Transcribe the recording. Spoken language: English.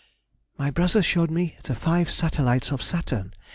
_—My brother showed me the five satellites of Saturn.